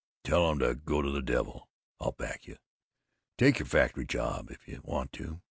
Tell 'em to go to the devil! I'll back you. Take your factory job, if you want to.